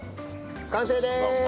完成です！